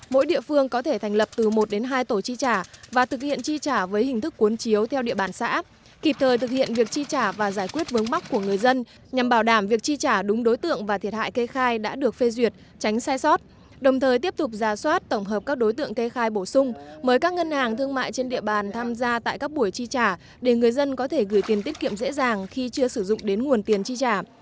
mỗi địa phương có thể thành lập từ một đến hai tổ tri trả và thực hiện tri trả với hình thức cuốn chiếu theo địa bàn xã áp kịp thời thực hiện việc tri trả và giải quyết vướng bóc của người dân nhằm bảo đảm việc tri trả đúng đối tượng và thiệt hại cây khai đã được phê duyệt tránh sai sót đồng thời tiếp tục ra soát tổng hợp các đối tượng cây khai bổ sung mời các ngân hàng thương mại trên địa bàn tham gia tại các buổi tri trả để người dân có thể gửi tiền tiết kiệm dễ dàng khi chưa sử dụng đến nguồn tiền tri trả